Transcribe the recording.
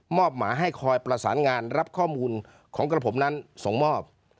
หมาให้คอยประสานงานรับข้อมูลของกระผมนั้นส่งมอบ